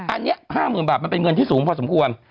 อันนี้๕๐๐๐บาทมันเป็นเงินที่สูงพอสมควร